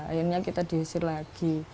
akhirnya kita diusir lagi